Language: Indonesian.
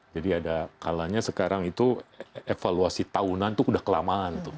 jadi ada kalanya sekarang itu evaluasi tahunan itu sudah kelamaan